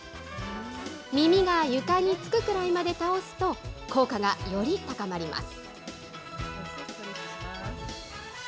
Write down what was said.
耳が床につくくらいまで倒すと、効果がより高まります。